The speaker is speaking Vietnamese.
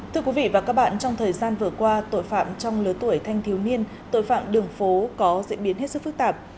thưa quý vị và các bạn trong thời gian vừa qua tội phạm trong lứa tuổi thanh thiếu niên tội phạm đường phố có diễn biến hết sức phức tạp